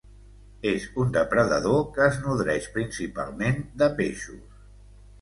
És un depredador que es nodreix principalment de peixos.